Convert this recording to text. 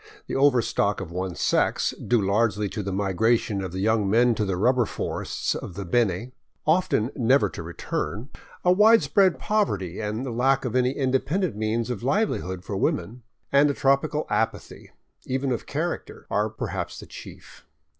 The overstock of one sex, due largely to the migration of the young men to the rubber forests of the Beni, often never to return; a widespread poverty and the lack of any independent means of livelihood for women; and a tropical apathy, even of character, are perhaps the chief.